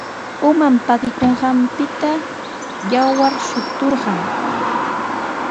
Uman pakikunqanpita yawar shuturqan.